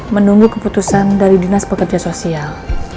menunggu keputusan dari dinas pekerja sosial